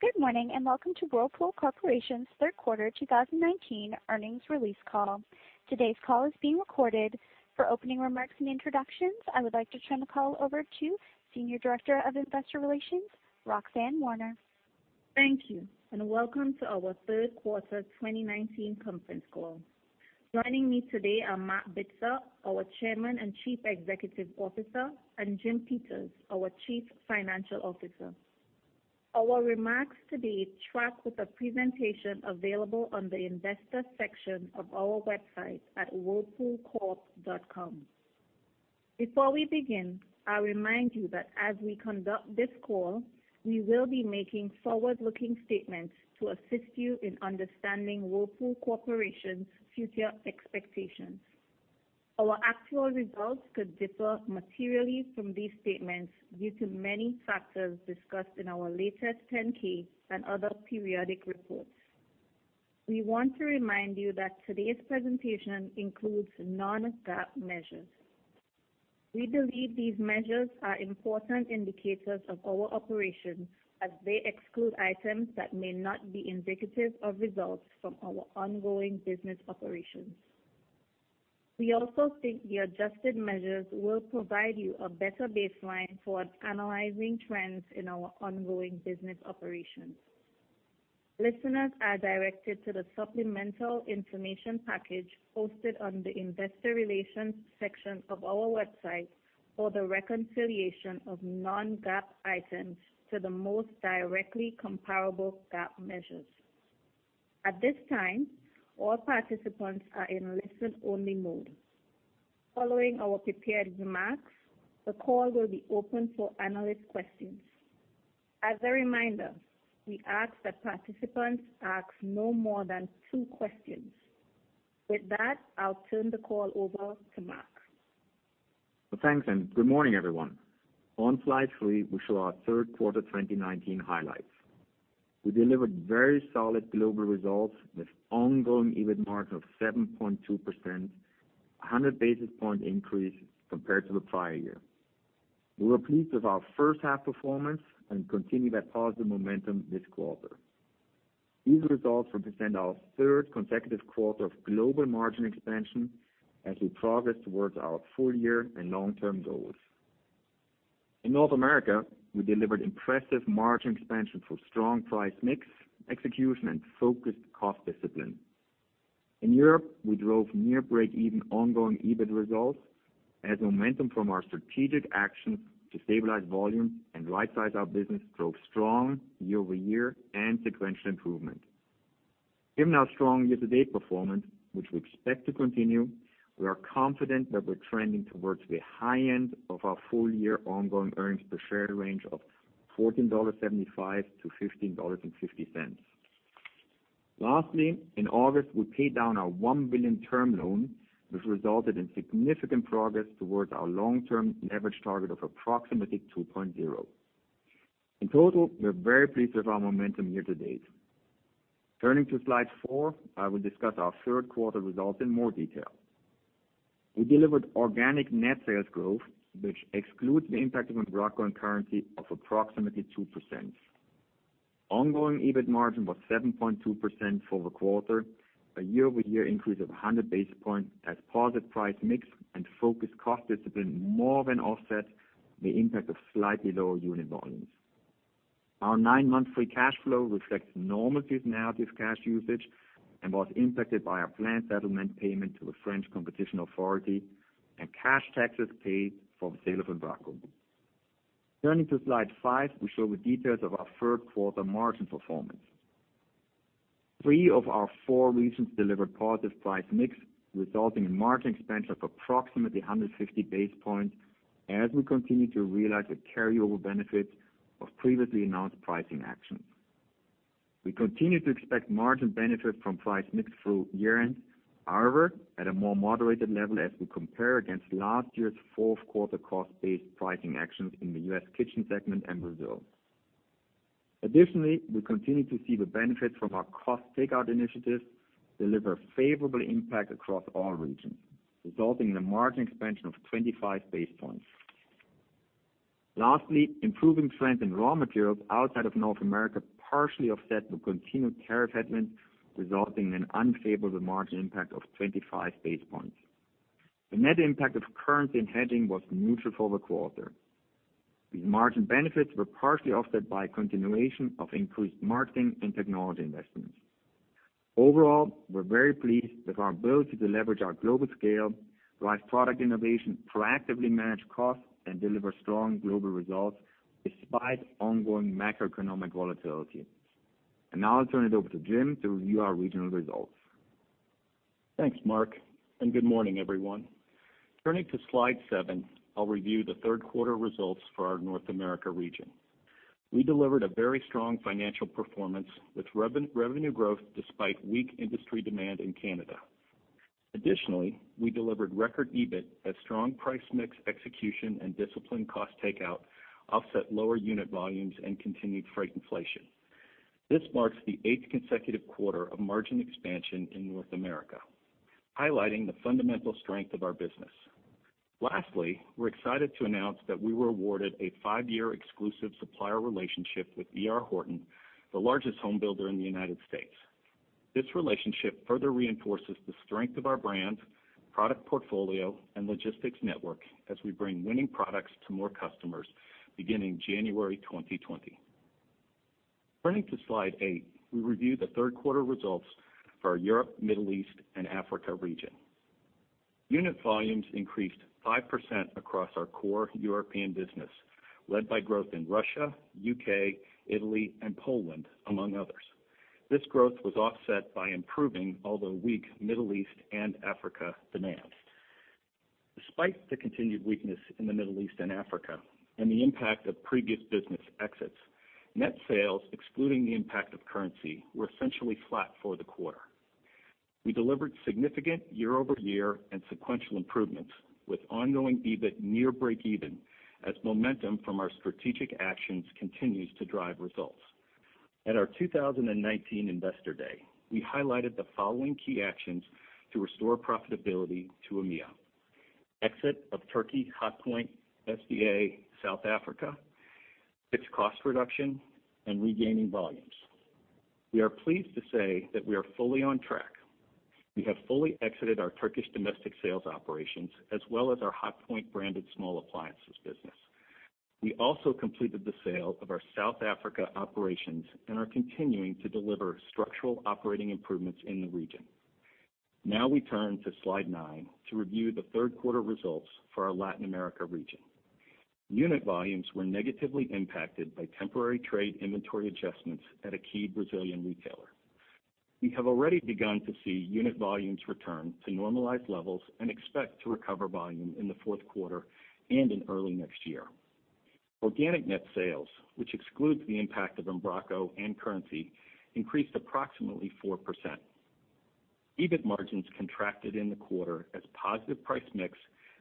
Good morning, welcome to Whirlpool Corporation's third quarter 2019 earnings release call. Today's call is being recorded. For opening remarks and introductions, I would like to turn the call over to Senior Director of Investor Relations, Roxanne Warner. Thank you, and welcome to our third quarter 2019 conference call. Joining me today are Marc Bitzer, our Chairman and Chief Executive Officer, and Jim Peters, our Chief Financial Officer. Our remarks today track with a presentation available on the investor section of our website at whirlpoolcorp.com. Before we begin, I'll remind you that as we conduct this call, we will be making forward-looking statements to assist you in understanding Whirlpool Corporation's future expectations. Our actual results could differ materially from these statements due to many factors discussed in our latest 10-K and other periodic reports. We want to remind you that today's presentation includes non-GAAP measures. We believe these measures are important indicators of our operations as they exclude items that may not be indicative of results from our ongoing business operations. We also think the adjusted measures will provide you a better baseline towards analyzing trends in our ongoing business operations. Listeners are directed to the supplemental information package posted on the investor relations section of our website for the reconciliation of non-GAAP items to the most directly comparable GAAP measures. At this time, all participants are in listen-only mode. Following our prepared remarks, the call will be open for analyst questions. As a reminder, we ask that participants ask no more than two questions. With that, I'll turn the call over to Marc. Well, thanks, good morning, everyone. On slide three, we show our third quarter 2019 highlights. We delivered very solid global results with ongoing EBIT margin of 7.2%, 100-basis-point increase compared to the prior year. We were pleased with our first half performance and continued that positive momentum this quarter. These results represent our third consecutive quarter of global margin expansion as we progress towards our full year and long-term goals. In North America, we delivered impressive margin expansion through strong price mix execution and focused cost discipline. In Europe, we drove near breakeven ongoing EBIT results as momentum from our strategic actions to stabilize volume and rightsize our business drove strong year-over-year and sequential improvement. Given our strong year-to-date performance, which we expect to continue, we are confident that we're trending towards the high end of our full-year ongoing earnings per share range of $14.75-$15.50. Lastly, in August, we paid down our $1 billion term loan, which resulted in significant progress towards our long-term leverage target of approximately 2.0. In total, we're very pleased with our momentum year-to-date. Turning to slide four, I will discuss our third quarter results in more detail. We delivered organic net sales growth, which excludes the impact of Embraco and currency of approximately 2%. Ongoing EBIT margin was 7.2% for the quarter, a year-over-year increase of 100 basis points as positive price mix and focused cost discipline more than offset the impact of slightly lower unit volumes. Our nine-month free cash flow reflects normal seasonality of cash usage and was impacted by our planned settlement payment to the French Competition Authority and cash taxes paid for the sale of Embraco. Turning to slide five, we show the details of our third quarter margin performance. Three of our four regions delivered positive price mix, resulting in margin expansion of approximately 150 basis points as we continue to realize the carry-forward benefits of previously announced pricing actions. We continue to expect margin benefit from price mix through year-end, however, at a more moderated level as we compare against last year's fourth quarter cost-based pricing actions in the US Kitchen segment and Brazil. Additionally, we continue to see the benefits from our cost takeout initiatives deliver favorable impact across all regions, resulting in a margin expansion of 25 basis points. Lastly, improving trends in raw materials outside of North America partially offset the continued tariff headwind, resulting in an unfavorable margin impact of 25 basis points. The net impact of currency and hedging was neutral for the quarter. These margin benefits were partially offset by a continuation of increased marketing and technology investments. Overall, we're very pleased with our ability to leverage our global scale, drive product innovation, proactively manage costs, and deliver strong global results despite ongoing macroeconomic volatility. Now I'll turn it over to Jim to review our regional results. Thanks, Marc, and good morning, everyone. Turning to slide seven, I'll review the third quarter results for our North America region. We delivered a very strong financial performance with revenue growth despite weak industry demand in Canada. Additionally, we delivered record EBIT as strong price mix execution and disciplined cost takeout offset lower unit volumes and continued freight inflation. This marks the eighth consecutive quarter of margin expansion in North America, highlighting the fundamental strength of our business. Lastly, we're excited to announce that we were awarded a five-year exclusive supplier relationship with D.R. Horton, the largest home builder in the United States. This relationship further reinforces the strength of our brand, product portfolio, and logistics network as we bring winning products to more customers beginning January 2020. Turning to slide eight, we review the third quarter results for our Europe, Middle East, and Africa region. Unit volumes increased 5% across our core European business, led by growth in Russia, U.K., Italy, and Poland, among others. This growth was offset by improving although weak Middle East and Africa demand. Despite the continued weakness in the Middle East and Africa, and the impact of previous business exits, net sales, excluding the impact of currency, were essentially flat for the quarter. We delivered significant year-over-year and sequential improvements, with ongoing EBIT near breakeven, as momentum from our strategic actions continues to drive results. At our 2019 Investor Day, we highlighted the following key actions to restore profitability to EMEA: exit of Turkey, Hotpoint, SDA, South Africa, fixed cost reduction, and regaining volumes. We are pleased to say that we are fully on track. We have fully exited our Turkish domestic sales operations as well as our Hotpoint branded small appliances business. We also completed the sale of our South Africa operations and are continuing to deliver structural operating improvements in the region. Now we turn to slide nine to review the third quarter results for our Latin America region. Unit volumes were negatively impacted by temporary trade inventory adjustments at a key Brazilian retailer. We have already begun to see unit volumes return to normalized levels and expect to recover volume in the fourth quarter and in early next year. Organic net sales, which excludes the impact of Embraco and currency, increased approximately 4%. EBIT margins contracted in the quarter as positive price mix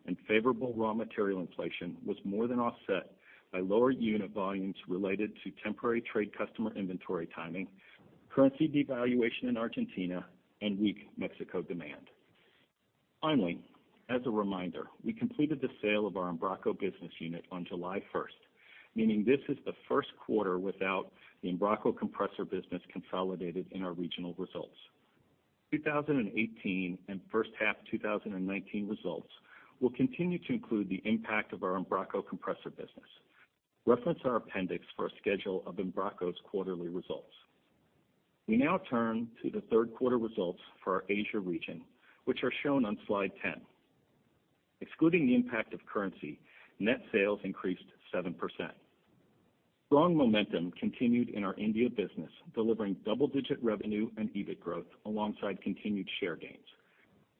and favorable raw material inflation was more than offset by lower unit volumes related to temporary trade customer inventory timing, currency devaluation in Argentina, and weak Mexico demand. Finally, as a reminder, we completed the sale of our Embraco business unit on July 1st, meaning this is the first quarter without the Embraco compressor business consolidated in our regional results. 2018 and first half 2019 results will continue to include the impact of our Embraco compressor business. Reference our appendix for a schedule of Embraco's quarterly results. We now turn to the third quarter results for our Asia region, which are shown on slide 10. Excluding the impact of currency, net sales increased 7%. Strong momentum continued in our India business, delivering double-digit revenue and EBIT growth alongside continued share gains.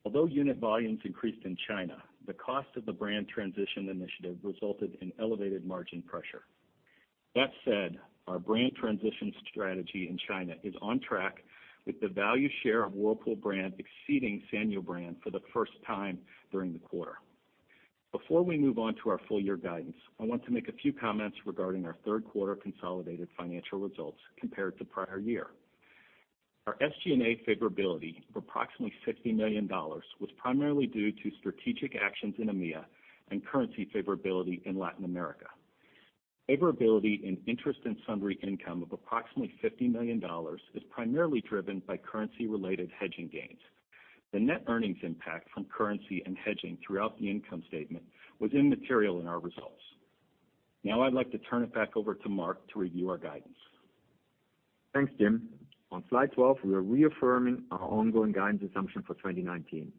Although unit volumes increased in China, the cost of the brand transition initiative resulted in elevated margin pressure. That said, our brand transition strategy in China is on track with the value share of Whirlpool brand exceeding Sanyo brand for the first time during the quarter. Before we move on to our full-year guidance, I want to make a few comments regarding our third quarter consolidated financial results compared to prior year. Our SG&A favorability of approximately $60 million was primarily due to strategic actions in EMEA and currency favorability in Latin America. Favorability in interest and sundry income of approximately $50 million is primarily driven by currency-related hedging gains. The net earnings impact from currency and hedging throughout the income statement was immaterial in our results. Now I'd like to turn it back over to Marc to review our guidance. Thanks, Jim. On slide 12, we are reaffirming our ongoing guidance assumption for 2019.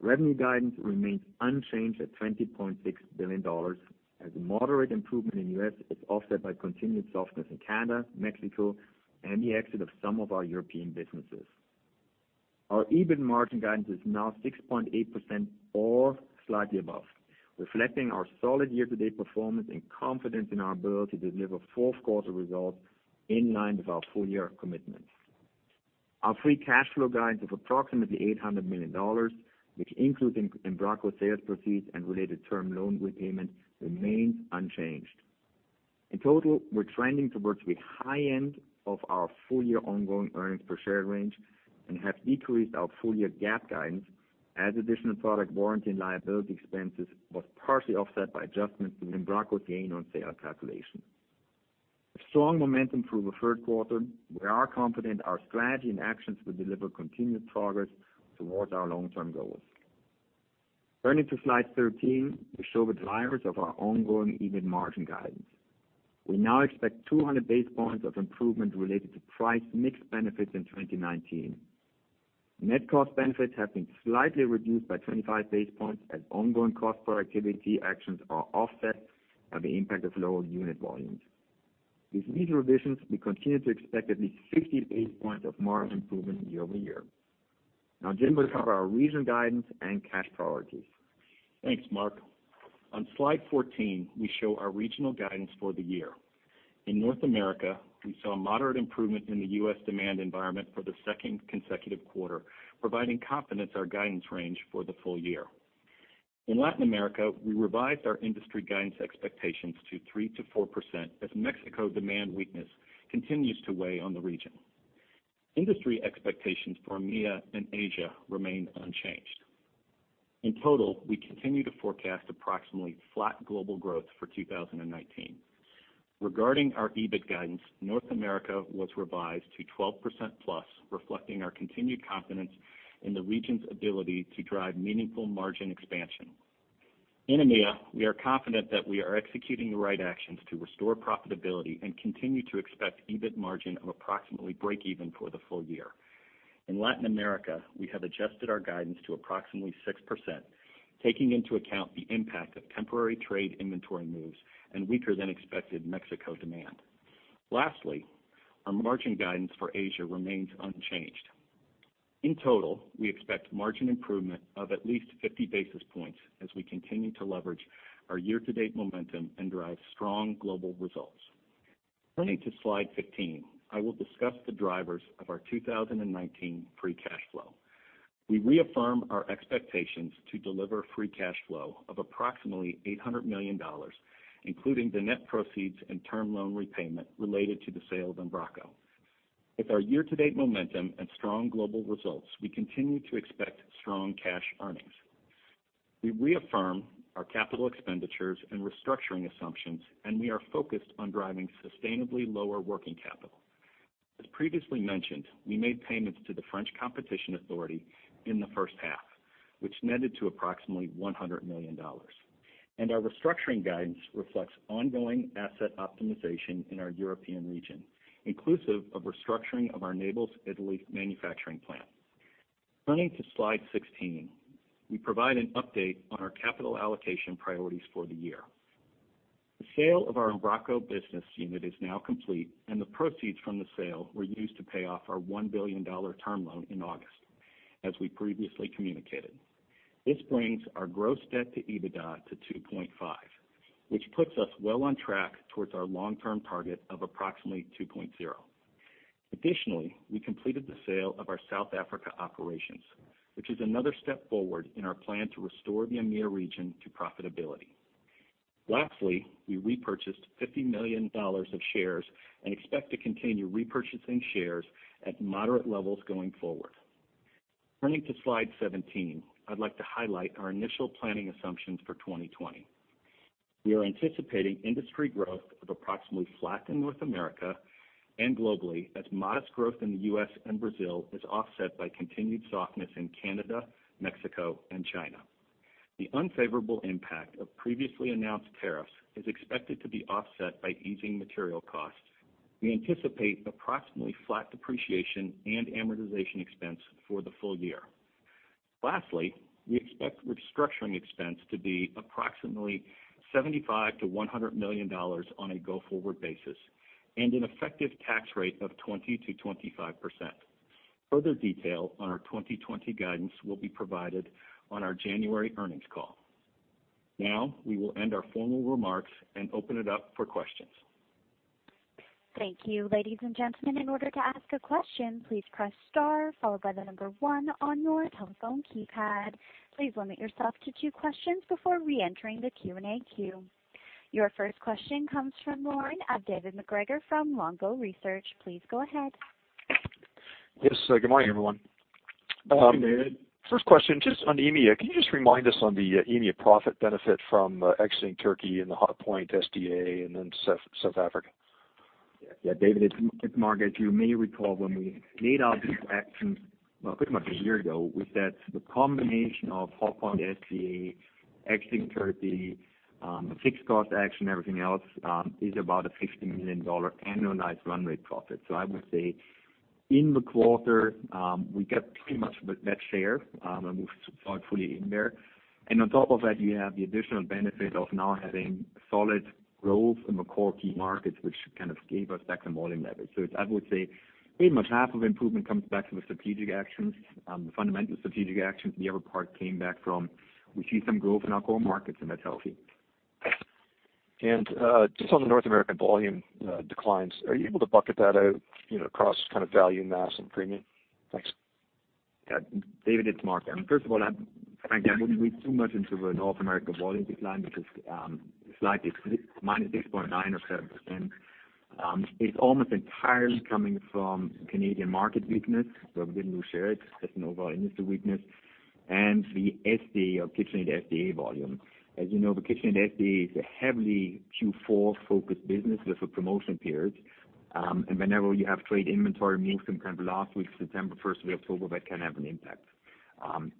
Revenue guidance remains unchanged at $20.6 billion, as a moderate improvement in U.S. is offset by continued softness in Canada, Mexico, and the exit of some of our European businesses. Our EBIT margin guidance is now 6.8% or slightly above, reflecting our solid year-to-date performance and confidence in our ability to deliver fourth quarter results in line with our full-year commitments. Our free cash flow guidance of approximately $800 million, which includes Embraco sales proceeds and related term loan repayment, remains unchanged. In total, we're trending towards the high end of our full-year ongoing earnings per share range and have decreased our full-year GAAP guidance as additional product warranty and liability expenses was partially offset by adjustments to the Embraco gain on sale calculation. With strong momentum through the third quarter, we are confident our strategy and actions will deliver continued progress towards our long-term goals. Turning to slide 13, we show the drivers of our ongoing EBIT margin guidance. We now expect 200 basis points of improvement related to price mix benefits in 2019. Net cost benefits have been slightly reduced by 25 basis points as ongoing cost productivity actions are offset by the impact of lower unit volumes. With these revisions, we continue to expect at least 60 basis points of margin improvement year over year. Now Jim will cover our regional guidance and cash priorities. Thanks, Marc. On slide 14, we show our regional guidance for the year. In North America, we saw a moderate improvement in the U.S. demand environment for the second consecutive quarter, providing confidence our guidance range for the full year. In Latin America, we revised our industry guidance expectations to 3%-4% as Mexico demand weakness continues to weigh on the region. Industry expectations for EMEA and Asia remain unchanged. In total, we continue to forecast approximately flat global growth for 2019. Regarding our EBIT guidance, North America was revised to 12%+, reflecting our continued confidence in the region's ability to drive meaningful margin expansion. In EMEA, we are confident that we are executing the right actions to restore profitability and continue to expect EBIT margin of approximately break even for the full year. In Latin America, we have adjusted our guidance to approximately 6%, taking into account the impact of temporary trade inventory moves and weaker than expected Mexico demand. Lastly, our margin guidance for Asia remains unchanged. In total, we expect margin improvement of at least 50 basis points as we continue to leverage our year-to-date momentum and drive strong global results. Turning to Slide 15, I will discuss the drivers of our 2019 free cash flow. We reaffirm our expectations to deliver free cash flow of approximately $800 million, including the net proceeds and term loan repayment related to the sale of Embraco. With our year-to-date momentum and strong global results, we continue to expect strong cash earnings. We reaffirm our capital expenditures and restructuring assumptions, and we are focused on driving sustainably lower working capital. As previously mentioned, we made payments to the Autorité de la concurrence in the first half, which netted to approximately $100 million. Our restructuring guidance reflects ongoing asset optimization in our European region, inclusive of restructuring of our Naples, Italy manufacturing plant. Turning to Slide 16, we provide an update on our capital allocation priorities for the year. The sale of our Embraco business unit is now complete, and the proceeds from the sale were used to pay off our $1 billion term loan in August, as we previously communicated. This brings our gross debt to EBITDA to 2.5, which puts us well on track towards our long-term target of approximately 2.0. Additionally, we completed the sale of our South Africa operations, which is another step forward in our plan to restore the EMEA region to profitability. Lastly, we repurchased $50 million of shares and expect to continue repurchasing shares at moderate levels going forward. Turning to Slide 17, I'd like to highlight our initial planning assumptions for 2020. We are anticipating industry growth of approximately flat in North America and globally as modest growth in the U.S. and Brazil is offset by continued softness in Canada, Mexico and China. The unfavorable impact of previously announced tariffs is expected to be offset by easing material costs. We anticipate approximately flat depreciation and amortization expense for the full year. Lastly, we expect restructuring expense to be approximately $75 million-$100 million on a go-forward basis and an effective tax rate of 20%-25%. Further detail on our 2020 guidance will be provided on our January earnings call. We will end our formal remarks and open it up for questions. Thank you. Ladies and gentlemen, in order to ask a question, please press star followed by the number one on your telephone keypad. Please limit yourself to two questions before reentering the Q&A queue. Your first question comes from the line of David MacGregor from Longbow Research. Please go ahead. Yes. Good morning, everyone. Good morning, David. First question, just on EMEA. Can you just remind us on the EMEA profit benefit from exiting Turkey and the Hotpoint SDA and then South Africa? David, it's Marc. As you may recall, when we laid out these actions pretty much a year ago, we said the combination of Hotpoint SDA, exiting Turkey, the fixed cost action, everything else, is about a $50 million annualized run rate profit. I would say in the quarter, we kept pretty much that share, and we're fully in there. On top of that, you have the additional benefit of now having solid growth in the core key markets, which kind of gave us back the margin level. I would say pretty much half of improvement comes back from a strategic actions, the fundamental strategic actions. The other part came back from, we see some growth in our core markets, and that's healthy. Just on the North American volume declines, are you able to bucket that out across value, mass, and premium? Thanks. Yeah. David, it's Marc. First of all, frankly, I wouldn't read too much into the North America volume decline because the slide is -6.9% or 7%. It's almost entirely coming from Canadian market weakness. A bit of new shares, that's an overall industry weakness, and the SDA of KitchenAid SDA volume. As you know, the KitchenAid SDA is a heavily Q4-focused business with a promotion period. Whenever you have trade inventory moves some time last week, September 1st, the October, that can have an impact.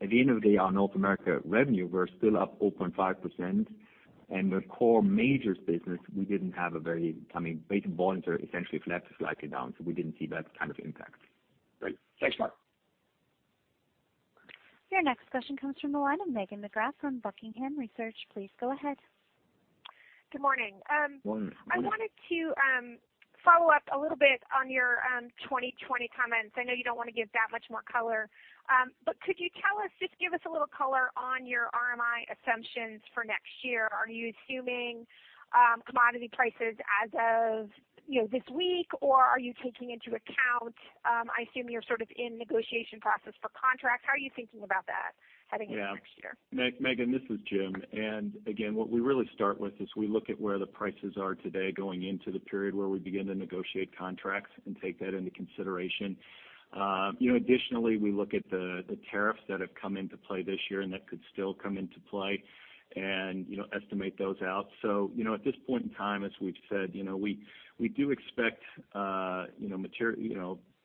At the end of the day, our North America revenue, we're still up 4.5%, and the core majors business, Basic volumes are essentially flat to slightly down, so we didn't see that kind of impact. Great. Thanks, Marc. Your next question comes from the line of Meghan McGrath from Buckingham Research. Please go ahead. Good morning. Morning. I wanted to follow up a little bit on your 2020 comments. I know you don't want to give that much more color. Could you tell us, just give us a little color on your RMI assumptions for next year, are you assuming commodity prices as of this week, or are you taking into account, I assume you're in negotiation process for contracts? How are you thinking about that heading into next year? Yeah. Meghan, this is Jim. Again, what we really start with is we look at where the prices are today going into the period where we begin to negotiate contracts and take that into consideration. Additionally, we look at the tariffs that have come into play this year and that could still come into play and estimate those out. At this point in time, as we've said, we do expect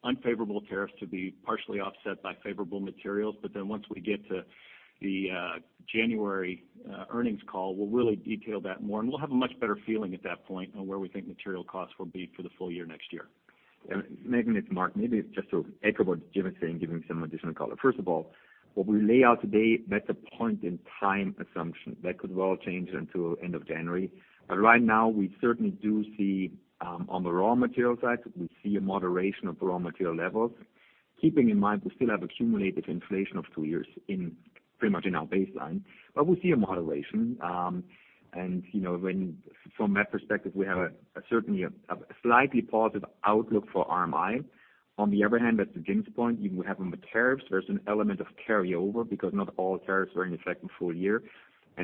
unfavorable tariffs to be partially offset by favorable materials. Once we get to the January earnings call, we'll really detail that more, and we'll have a much better feeling at that point on where we think material costs will be for the full year next year. Meghan, it's Marc. Maybe just to echo what Jim is saying, giving some additional color. First of all, what we lay out today, that's a point-in-time assumption that could well change until end of January. Right now, we certainly do see, on the raw material side, we see a moderation of raw material levels. Keeping in mind we still have accumulated inflation of two years in pretty much in our baseline, but we see a moderation. From that perspective, we have certainly a slightly positive outlook for RMI. On the other hand, back to Jim's point, you have on the tariffs, there's an element of carryover because not all tariffs were in effect in full year.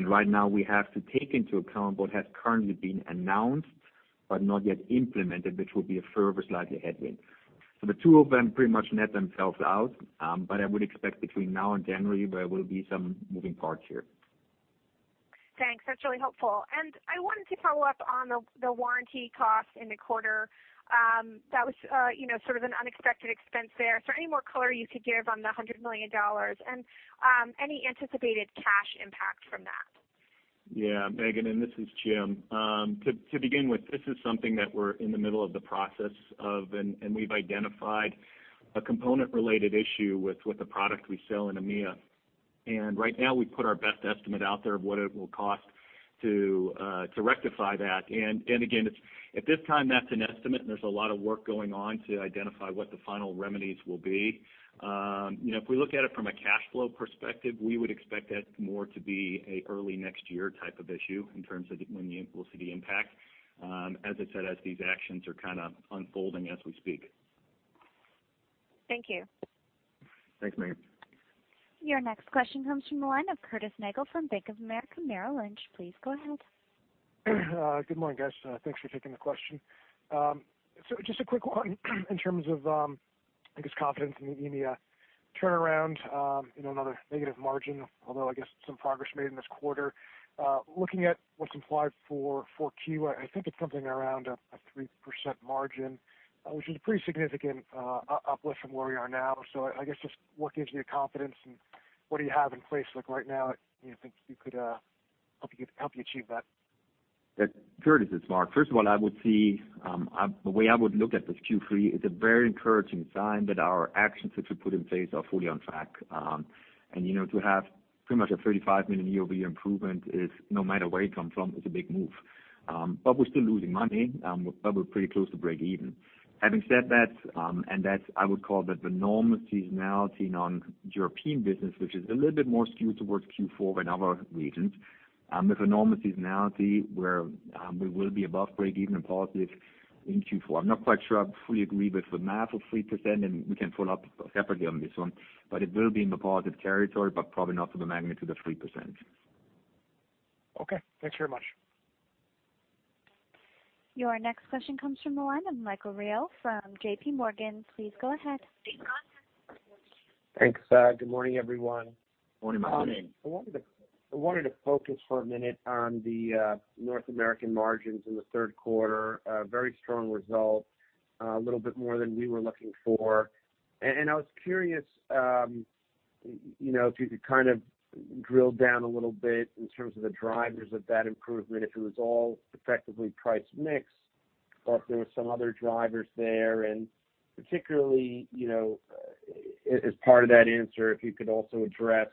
Right now we have to take into account what has currently been announced but not yet implemented, which will be a further slightly headwind. The two of them pretty much net themselves out. I would expect between now and January there will be some moving parts here. Thanks. That's really helpful. I wanted to follow up on the warranty cost in the quarter. That was sort of an unexpected expense there. Is there any more color you could give on the $100 million and any anticipated cash impact from that? Yeah, Meghan, this is Jim. To begin with, this is something that we're in the middle of the process of, and we've identified a component-related issue with the product we sell in EMEA. Right now we put our best estimate out there of what it will cost to rectify that. Again, at this time, that's an estimate, and there's a lot of work going on to identify what the final remedies will be. If we look at it from a cash flow perspective, we would expect that more to be an early next year type of issue in terms of when we'll see the impact. As I said, as these actions are kind of unfolding as we speak. Thank you. Thanks, Meghan. Your next question comes from the line of Curtis Nagle from Bank of America Merrill Lynch. Please go ahead. Good morning, guys. Thanks for taking the question. Just a quick one in terms of, I guess, confidence in the EMEA turnaround. Another negative margin, although I guess some progress made in this quarter. Looking at what's implied for Q, I think it's something around a 3% margin, which is a pretty significant uplift from where we are now. I guess just what gives you confidence and what do you have in place right now that you think could help you achieve that? Curtis, it's Marc. The way I would look at this Q3 is a very encouraging sign that our actions that we put in place are fully on track. To have pretty much a $35 million year-over-year improvement is, no matter where it comes from, is a big move. We're still losing money, but we're pretty close to breakeven. Having said that, and that I would call that the normal seasonality non-European business, which is a little bit more skewed towards Q4 than other regions. There's a normal seasonality where we will be above breakeven and positive in Q4. I'm not quite sure I fully agree with the math of 3%, and we can follow up separately on this one, but it will be in the positive territory, but probably not to the magnitude of 3%. Okay, thanks very much. Your next question comes from the line of Michael Rehaut from JPMorgan. Please go ahead. Thanks. Good morning, everyone. Morning. Morning. I wanted to focus for a minute on the North American margins in the third quarter, a very strong result, a little bit more than we were looking for. I was curious if you could kind of drill down a little bit in terms of the drivers of that improvement, if it was all effectively price mix, but there were some other drivers there. Particularly, as part of that answer, if you could also address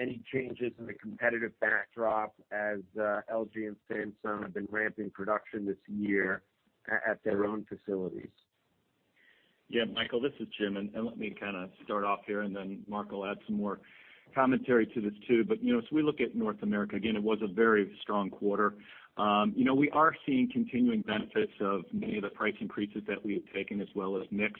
any changes in the competitive backdrop as LG and Samsung have been ramping production this year at their own facilities. Michael, this is Jim, let me kind of start off here and then Marc will add some more commentary to this too. As we look at North America, again, it was a very strong quarter. We are seeing continuing benefits of many of the price increases that we have taken as well as mix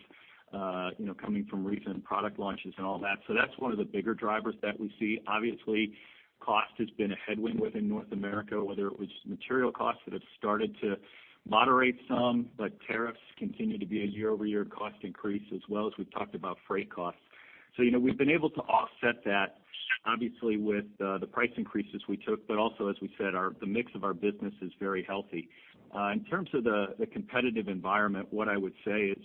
coming from recent product launches and all that. That's one of the bigger drivers that we see. Obviously, cost has been a headwind within North America, whether it was material costs that have started to moderate some, but tariffs continue to be a year-over-year cost increase as well as we've talked about freight costs. We've been able to offset that obviously with the price increases we took. Also, as we said, the mix of our business is very healthy. In terms of the competitive environment, what I would say is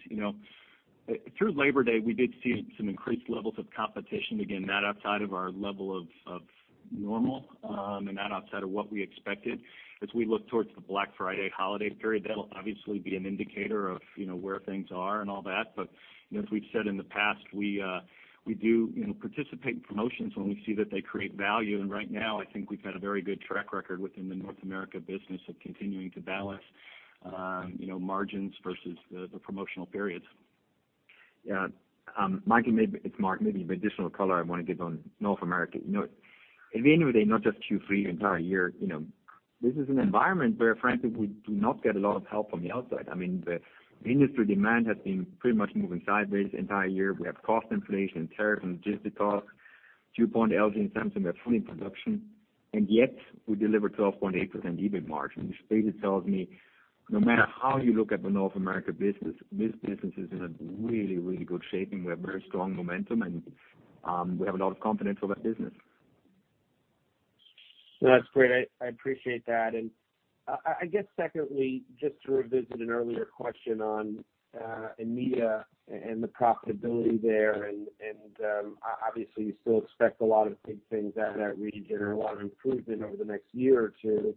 through Labor Day, we did see some increased levels of competition. Again, not outside of our level of normal, and not outside of what we expected. As we look towards the Black Friday holiday period, that'll obviously be an indicator of where things are and all that. As we've said in the past, we do participate in promotions when we see that they create value. Right now I think we've had a very good track record within the North America business of continuing to balance margins versus the promotional periods. Yeah. Mike, it's Marc. Maybe the additional color I want to give on North America. At the end of the day, not just Q3, the entire year, this is an environment where frankly, we do not get a lot of help from the outside. I mean, the industry demand has been pretty much moving sideways the entire year. We have cost inflation, tariffs and logistical talks. DuPont, LG, and Samsung are fully in production, and yet we deliver 12.8% EBIT margin, which basically tells me no matter how you look at the North America business, this business is in a really good shape, and we have very strong momentum and we have a lot of confidence for that business. That's great. I appreciate that. I guess secondly, just to revisit an earlier question on EMEA and the profitability there and, obviously, you still expect a lot of big things out of that region or a lot of improvement over the next year or two.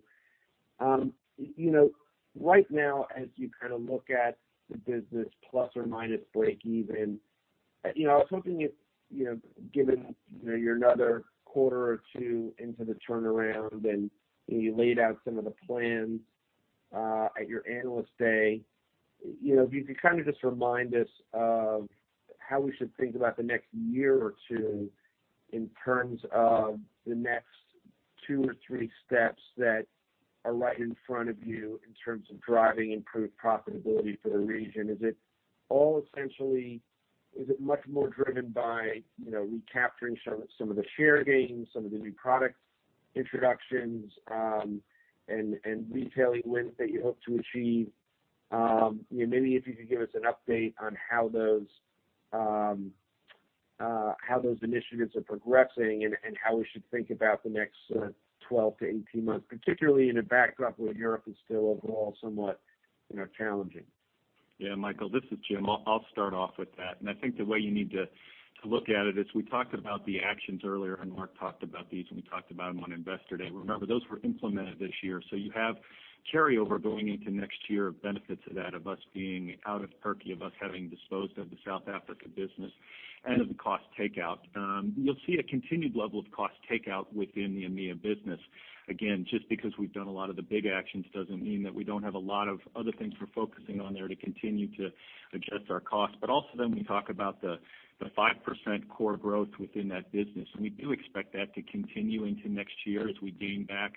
Right now, as you look at the business plus or minus breakeven, I was hoping if, given you're another quarter or two into the turnaround and you laid out some of the plans at your Analyst Day, if you could just remind us of how we should think about the next year or two in terms of the next two or three steps that are right in front of you in terms of driving improved profitability for the region. Is it much more driven by recapturing some of the share gains, some of the new product introductions, and retailing wins that you hope to achieve? Maybe if you could give us an update on how those initiatives are progressing and how we should think about the next 12-18 months, particularly in a backdrop where Europe is still overall somewhat challenging. Yeah, Michael, this is Jim. I'll start off with that. I think the way you need to look at it is we talked about the actions earlier, and Marc talked about these when we talked about them on Investor Day. Remember, those were implemented this year. You have carryover going into next year of benefits of that, of us being out of Turkey, of us having disposed of the South Africa business, and of the cost takeout. You'll see a continued level of cost takeout within the EMEA business. Just because we've done a lot of the big actions doesn't mean that we don't have a lot of other things we're focusing on there to continue to adjust our costs. Also we talk about the 5% core growth within that business, and we do expect that to continue into next year as we gain back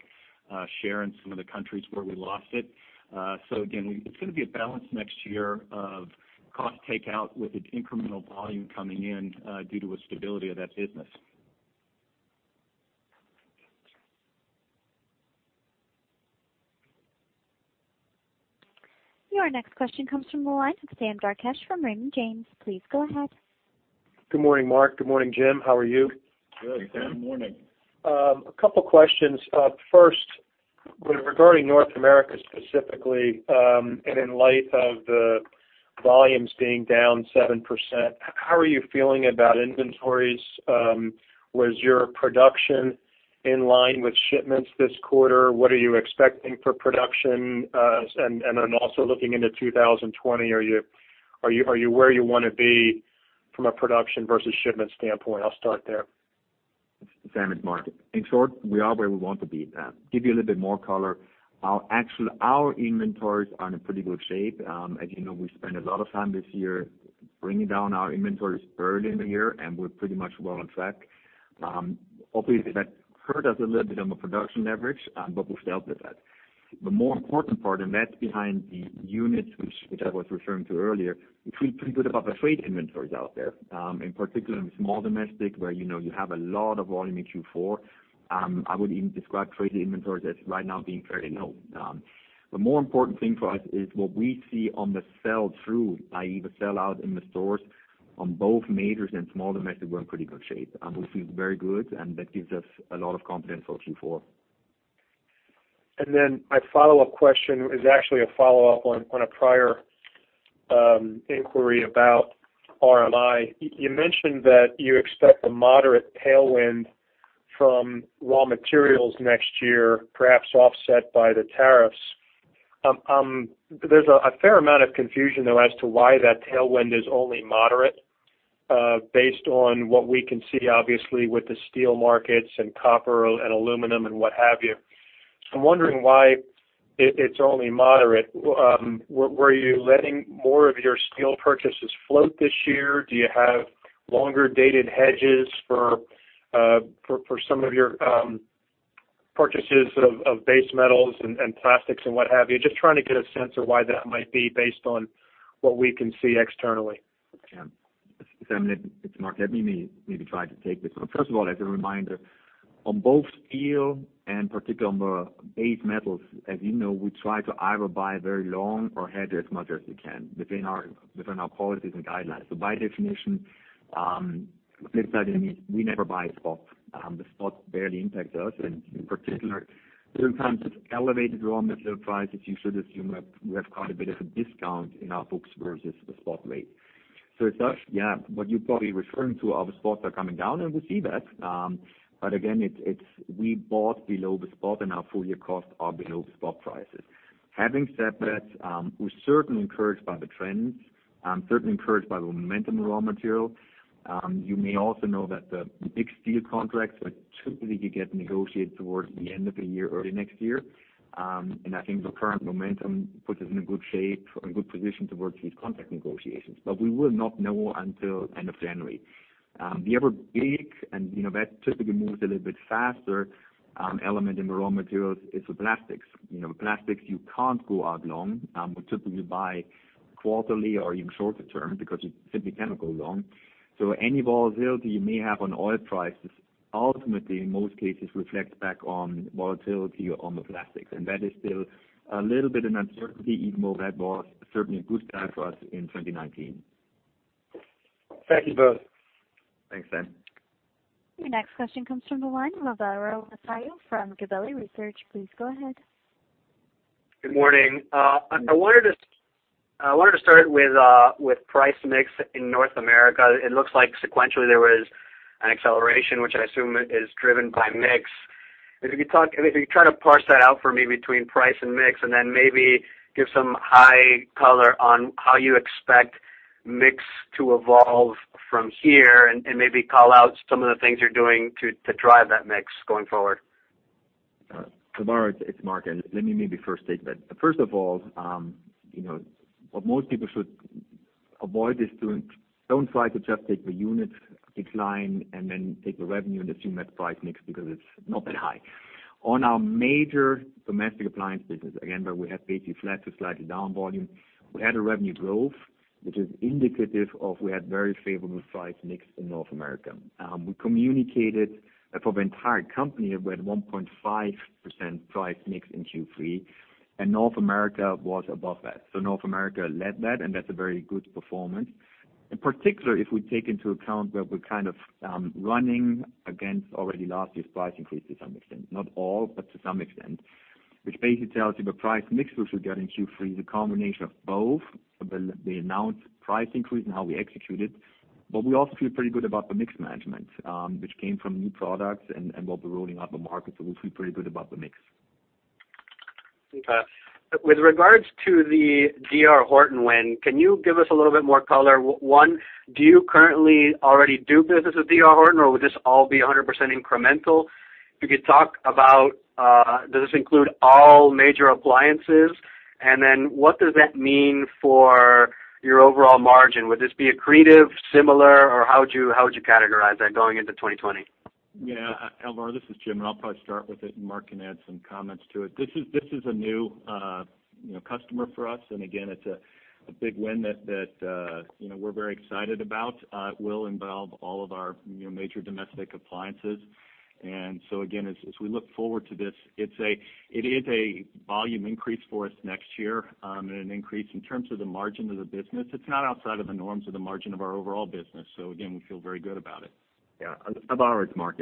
share in some of the countries where we lost it. Again, it's going to be a balance next year of cost takeout with incremental volume coming in due to a stability of that business. Your next question comes from the line of Sam Darkatsh from Raymond James. Please go ahead. Good morning, Marc. Good morning, Jim. How are you? Good, Sam. Good morning. A couple questions. First, regarding North America specifically, in light of the volumes being down 7%, how are you feeling about inventories? Was your production in line with shipments this quarter? What are you expecting for production? Also looking into 2020, are you where you want to be from a production versus shipment standpoint? I'll start there. Sam, it's Marc. In short, we are where we want to be. Give you a little bit more color. Actually, our inventories are in pretty good shape. As you know, we spent a lot of time this year bringing down our inventories early in the year, and we're pretty much well on track. Obviously, that hurt us a little bit on the production leverage, but we've dealt with that. The more important part, and that's behind the units which I was referring to earlier, we feel pretty good about the trade inventories out there, in particular in SDA, where you have a lot of volume in Q4. I would even describe trade inventories as right now being fairly low. The more important thing for us is what we see on the sell-through, i.e., the sell out in the stores on both majors and small domestic, we're in pretty good shape, and we feel very good and that gives us a lot of confidence for Q4. My follow-up question is actually a follow-up on a prior inquiry about RMI. You mentioned that you expect a moderate tailwind from raw materials next year, perhaps offset by the tariffs. There's a fair amount of confusion, though, as to why that tailwind is only moderate, based on what we can see, obviously, with the steel markets and copper and aluminum and what have you. I'm wondering why it's only moderate. Were you letting more of your steel purchases float this year? Do you have longer-dated hedges for some of your purchases of base metals and plastics and what have you? Just trying to get a sense of why that might be based on what we can see externally. Sam, it's Marc. Let me maybe try to take this one. First of all, as a reminder, on both steel and particularly on the base metals, as you know, we try to either buy very long or hedge as much as we can within our policies and guidelines. By definition, basically, that means we never buy spot. The spot barely impacts us, and in particular, during times of elevated raw material prices, you should assume that we have quite a bit of a discount in our books versus the spot rate. It does, yeah. What you're probably referring to, our spots are coming down, and we see that. Again, we bought below the spot and our full-year costs are below the spot prices. Having said that, we're certainly encouraged by the trends, certainly encouraged by the momentum in raw material. You may also know that the big steel contracts would typically get negotiated towards the end of the year, early next year. I think the current momentum puts us in a good shape or a good position towards these contract negotiations. We will not know until end of January. The other big, and that typically moves a little bit faster, element in the raw materials is the plastics. Plastics, you can't go out long. We typically buy quarterly or even shorter term because you simply cannot go long. Any volatility you may have on oil prices, ultimately, in most cases, reflects back on volatility on the plastics. That is still a little bit of an uncertainty, even though that was certainly a good time for us in 2019. Thank you both. Thanks, Sam. Your next question comes from the line of Alvaro Vasallo from Gabelli Research. Please go ahead. Good morning. I wanted to start with price mix in North America. It looks like sequentially there was an acceleration, which I assume is driven by mix. If you could try to parse that out for me between price and mix, and then maybe give some high color on how you expect mix to evolve from here, and maybe call out some of the things you're doing to drive that mix going forward. Alvaro, it's Marc. Let me maybe first state that, first of all, what most people should avoid is don't try to just take the unit decline and then take the revenue and assume that's price mix because it's not that high. On our major domestic appliance business, again, where we have basically flat to slightly down volume, we had a revenue growth, which is indicative of we had very favorable price mix in North America. We communicated for the entire company, we had 1.5% price mix in Q3, and North America was above that. North America led that, and that's a very good performance. In particular, if we take into account that we're running against already last year's price increase to some extent, not all, but to some extent, which basically tells you the price mix we should get in Q3 is a combination of both the announced price increase and how we execute it. We also feel pretty good about the mix management, which came from new products and what we're rolling out the market. We feel pretty good about the mix. Okay. With regards to the D.R. Horton win, can you give us a little bit more color? One, do you currently already do business with D.R. Horton, or would this all be 100% incremental? If you could talk about, does this include all major appliances? What does that mean for your overall margin? Would this be accretive, similar, or how would you categorize that going into 2020? Yeah, Alvaro, this is Jim, and I'll probably start with it, and Marc can add some comments to it. This is a new customer for us, and again, it's a big win that we're very excited about. It will involve all of our major domestic appliances. Again, as we look forward to this, it is a volume increase for us next year. An increase in terms of the margin of the business, it's not outside of the norms of the margin of our overall business. Again, we feel very good about it. Alvaro, it's Marc.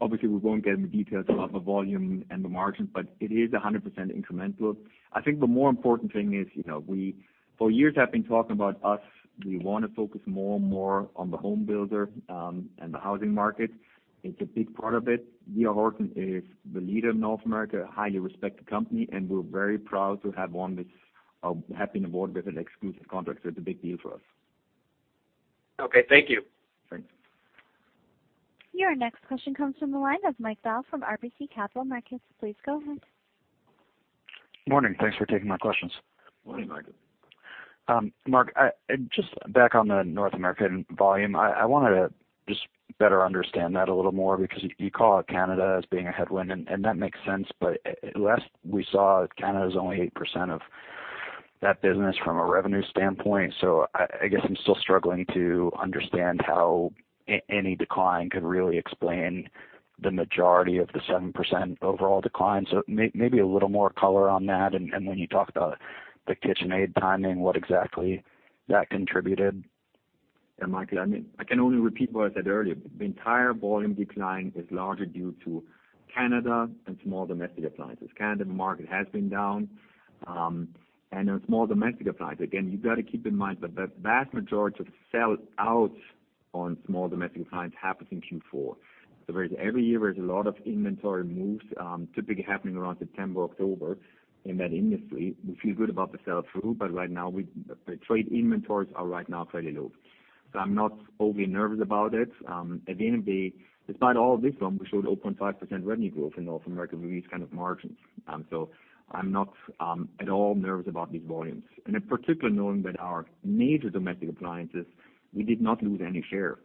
Obviously, we won't get into details about the volume and the margins, but it is 100% incremental. I think the more important thing is, for years have been talking about us, we want to focus more and more on the home builder and the housing market. It's a big part of it. D.R. Horton is the leader in North America, a highly respected company, and we're very proud to have won this, have been awarded with an exclusive contract. It's a big deal for us. Okay. Thank you. Thanks. Your next question comes from the line of Mike Dahl from RBC Capital Markets. Please go ahead. Morning. Thanks for taking my questions. Morning, Michael. Marc, just back on the North American volume. I wanted to just better understand that a little more because you call out Canada as being a headwind, and that makes sense. Last we saw, Canada is only 8% of that business from a revenue standpoint. I guess I'm still struggling to understand how any decline could really explain the majority of the 7% overall decline. When you talked about the KitchenAid timing, what exactly that contributed? Michael, I can only repeat what I said earlier. The entire volume decline is largely due to Canada and small domestic appliances. Canada market has been down. On small domestic appliances, again, you got to keep in mind that the vast majority of the sell out on small domestic appliances happens in Q4. Every year, there's a lot of inventory moves, typically happening around September, October in that industry. We feel good about the sell-through, but right now the trade inventories are right now fairly low. I'm not overly nervous about it. At the end of the day, despite all of this volume, we showed a 0.5% revenue growth in North America with these kind of margins. I'm not at all nervous about these volumes. In particular, knowing that our major domestic appliances, we did not lose any share.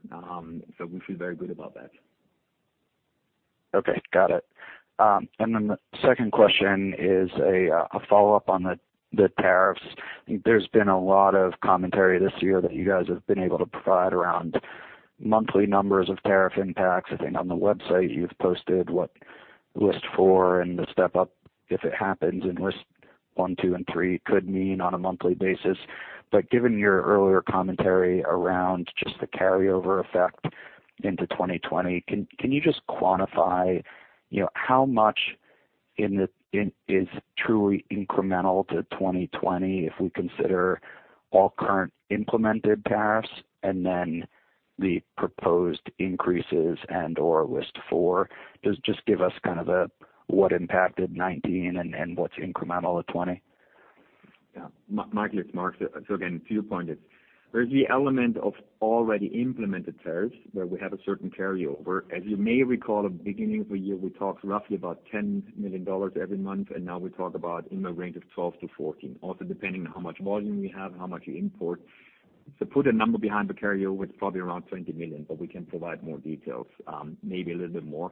We feel very good about that. Okay, got it. The second question is a follow-up on the tariffs. There's been a lot of commentary this year that you guys have been able to provide around monthly numbers of tariff impacts. I think on the website you've posted what List 4 and the step up, if it happens, and Lists 1, 2, and 3 could mean on a monthly basis. Given your earlier commentary around just the carryover effect into 2020, can you just quantify how much is truly incremental to 2020 if we consider all current implemented tariffs and then the proposed increases and or List 4. Just give us what impacted 2019 and what's incremental to 2020. Michael, it's Marc. Again, to your point is, there's the element of already implemented tariffs where we have a certain carryover. As you may recall at beginning of the year, we talked roughly about $10 million every month and now we talk about in the range of $12 million to $14 million. Depending on how much volume we have, how much we import. To put a number behind the carryover, it's probably around $20 million we can provide more details, maybe a little bit more.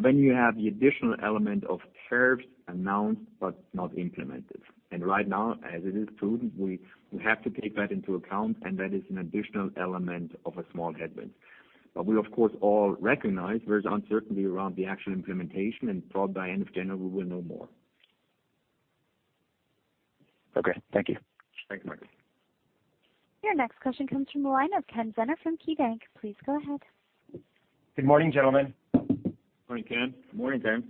You have the additional element of tariffs announced but not implemented. Right now, as it is true, we have to take that into account and that is an additional element of a small headwind. We of course all recognize there's uncertainty around the actual implementation and probably by end of January we will know more. Okay. Thank you. Thanks, Michael. Your next question comes from the line of Kenneth Zener from KeyBanc. Please go ahead. Good morning, gentlemen. Morning, Ken. Morning, Ken.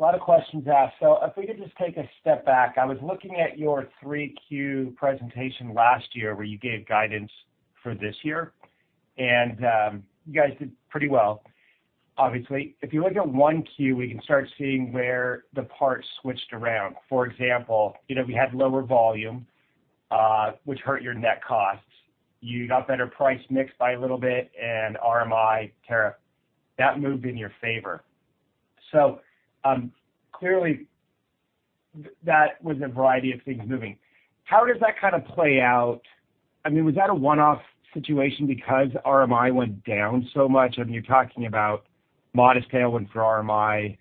A lot of questions asked. If we could just take a step back, I was looking at your 3Q presentation last year where you gave guidance for this year and you guys did pretty well, obviously. If you look at 1Q, we can start seeing where the parts switched around. For example, we had lower volume, which hurt your net costs. You got better price mix by a little bit and RMI tariff. That moved in your favor. Clearly that was a variety of things moving. How does that play out? Was that a one-off situation because RMI went down so much? I mean, you're talking about modest tailwind for RMI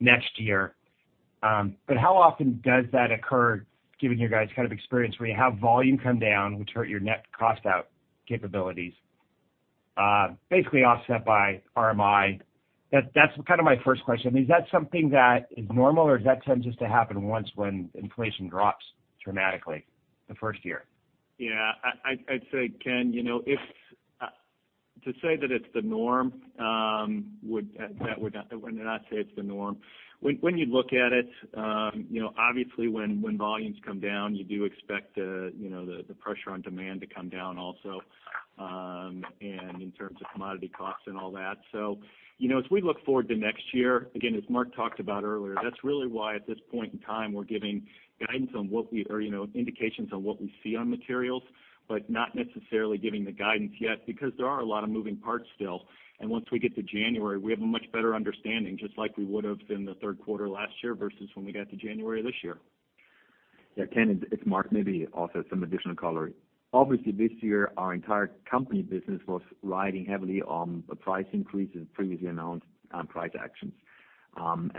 next year. How often does that occur given your guys' experience where you have volume come down which hurt your net cost out capabilities, basically offset by RMI? That's my first question. Is that something that is normal or does that tend just to happen once when inflation drops dramatically the first year? Yeah. I'd say, Ken, to say that it's the norm, I would not say it's the norm. When you look at it, obviously when volumes come down you do expect the pressure on demand to come down also, in terms of commodity costs and all that. As we look forward to next year, again, as Marc talked about earlier, that's really why at this point in time we're giving indications on what we see on materials, but not necessarily giving the guidance yet because there are a lot of moving parts still. Once we get to January, we have a much better understanding just like we would've in the third quarter last year versus when we got to January of this year. Yeah, Ken, it's Marc. Maybe also some additional color. Obviously this year our entire company business was riding heavily on the price increases previously announced on price actions.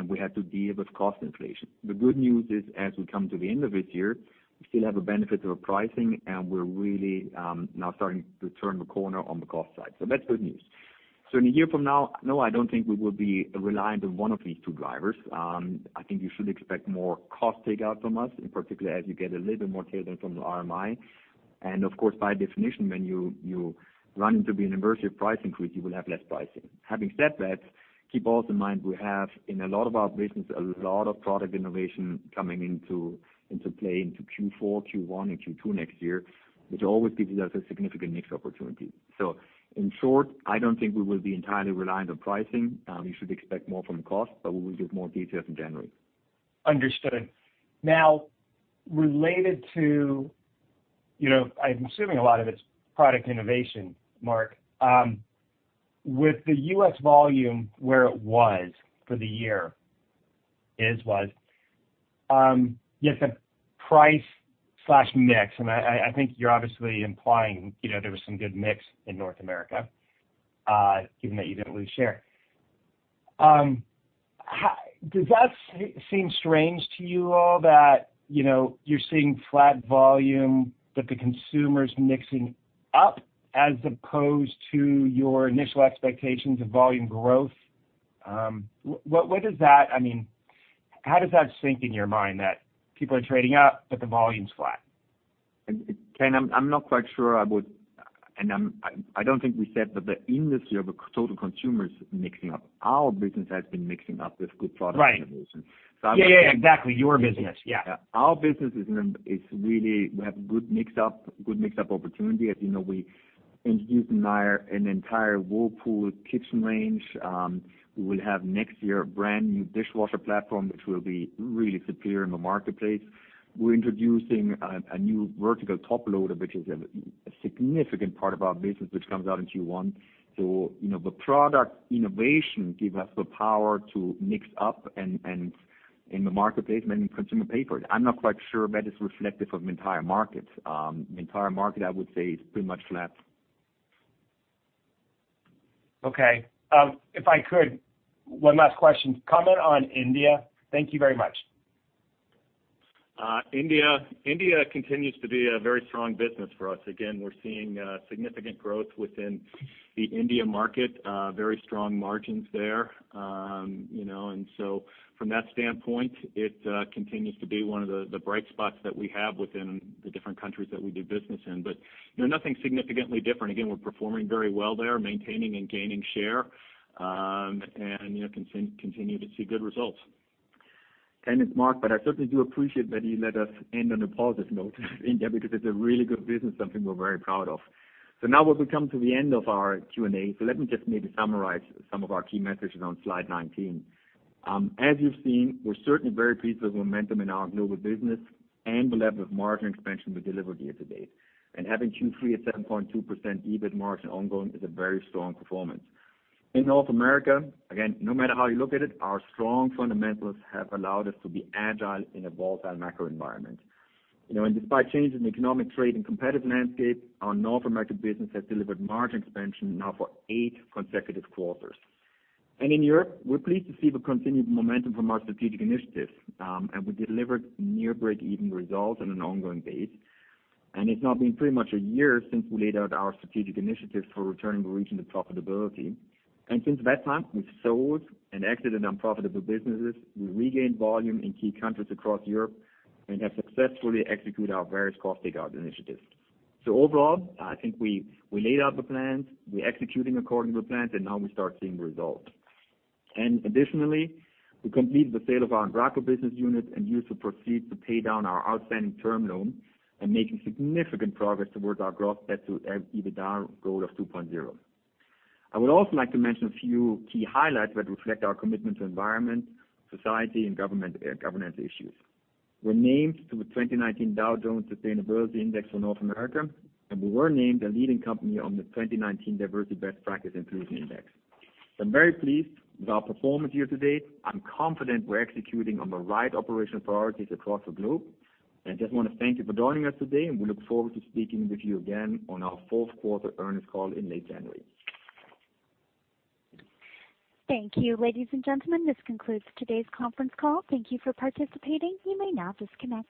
We had to deal with cost inflation. The good news is as we come to the end of this year, we still have a benefit of pricing and we're really now starting to turn the corner on the cost side. That's good news. In a year from now, no I don't think we will be reliant on one of these two drivers. I think you should expect more cost takeout from us, in particular as you get a little bit more tailwind from the RMI. Of course by definition when you run into the anniversary of price increase you will have less pricing. Having said that, keep also in mind we have in a lot of our business a lot of product innovation coming into play into Q4, Q1 and Q2 next year, which always gives us a significant mix opportunity. In short, I don't think we will be entirely reliant on pricing. You should expect more from the cost, we will give more details in January. Understood. Now related to, I'm assuming a lot of it's product innovation, Marc. With the U.S. volume where it was for the year, was, you have the price/mix and I think you're obviously implying there was some good mix in North America, given that you didn't lose share. Does that seem strange to you all that you're seeing flat volume, but the consumer's mixing up as opposed to your initial expectations of volume growth? How does that sync in your mind that people are trading up but the volume's flat? Ken, I'm not quite sure I don't think we said that the industry of a total consumer is mixing up. Our business has been mixing up with good product innovation. Right. Yeah. Exactly. Your business. Yeah. Yeah. Our business is really, we have good mix up opportunity. As you know we introduced an entire Whirlpool kitchen range. We will have next year a brand new dishwasher platform which will be really superior in the marketplace. We're introducing a new vertical top loader which is a significant part of our business which comes out in Q1. The product innovation give us the power to mix up and in the marketplace and in consumer power. I'm not quite sure that is reflective of entire market. Entire market I would say is pretty much flat. Okay. If I could, one last question. Comment on India. Thank you very much. India continues to be a very strong business for us. We're seeing significant growth within the India market. Very strong margins there. From that standpoint it continues to be one of the bright spots that we have within the different countries that we do business in. Nothing significantly different. We're performing very well there, maintaining and gaining share, and continue to see good results. Ken, it's Marc. I certainly do appreciate that you let us end on a positive note, India, because it's a really good business, something we're very proud of. Now as we come to the end of our Q&A, let me just maybe summarize some of our key messages on slide 19. As you've seen, we're certainly very pleased with the momentum in our global business and the level of margin expansion we delivered year-to-date. Having Q3 at 7.2% EBIT margin ongoing is a very strong performance. In North America, again, no matter how you look at it, our strong fundamentals have allowed us to be agile in a volatile macro environment. Despite changes in economic trade and competitive landscape, our North American business has delivered margin expansion now for eight consecutive quarters. In Europe, we're pleased to see the continued momentum from our strategic initiatives, and we delivered near break-even results on an ongoing base. It's now been pretty much a year since we laid out our strategic initiatives for returning the region to profitability. Since that time, we've sold and exited unprofitable businesses. We regained volume in key countries across Europe, and have successfully executed our various cost takeout initiatives. Overall, I think we laid out the plans, we're executing according to the plans, and now we start seeing results. Additionally, we completed the sale of our Embraco business unit and used the proceeds to pay down our outstanding term loan and making significant progress towards our gross debt to EBITDA goal of 2.0. I would also like to mention a few key highlights that reflect our commitment to environment, society, and governance issues. We're named to the 2019 Dow Jones Sustainability Index for North America, and we were named a leading company on the 2019 Diversity Best Practices Inclusion Index. I'm very pleased with our performance year-to-date. I'm confident we're executing on the right operational priorities across the globe. Just want to thank you for joining us today, and we look forward to speaking with you again on our fourth quarter earnings call in late January. Thank you. Ladies and gentlemen, this concludes today's conference call. Thank you for participating. You may now disconnect.